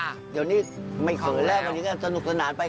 เดี๋ยววันนี้ไม่เผกัดแล้วตอนนี้สนุขสนานไป